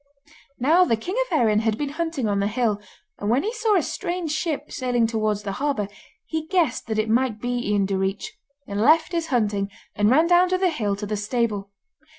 Now the king of Erin had been hunting on the hill, and when he saw a strange ship sailing towards the harbour, he guessed that it might be Ian Direach, and left his hunting, and ran down to the hill to the stable.